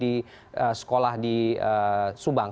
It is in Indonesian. di sekolah di subang